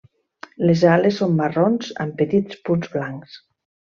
Les ales són marrons amb petits punts blancs.